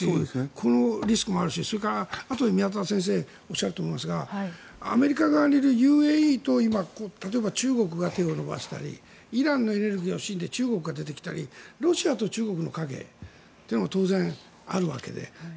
このリスクもあるし宮田先生がおっしゃると思いますがアメリカ側にいるＵＡＥと例えば中国が手を伸ばしたりイランの動きを怪しんで中国が出てきたりロシアと中国の影もあったり。